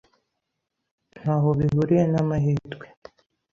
Ntaho bihuriye n'amahirwe.